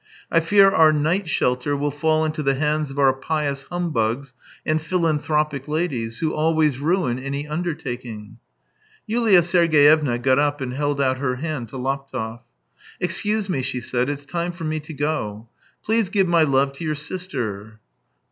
I fear our night shelter will fall into the hands of our pious humbugs and philanthropic ladies, who always ruin any undertaking." Yulia Sergeyevna got up and held out her hand to Laptev. " Excuse me," she said, " it's time for me to go. Please give my love to your sister."